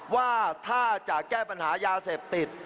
ว่าถ้าจะแก้ปัญหายาเสพติด